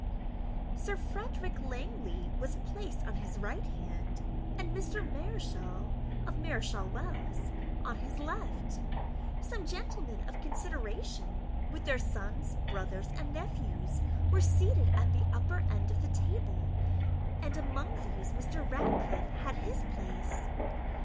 Sir Frederick Langley was placed on his right hand, and Mr. Mareschal of Mareschal Wells on his left. Some gentlemen of consideration, with their sons, brothers, and nephews, were seated at the upper end of the table, and among these Mr. Ratcliffe had his place.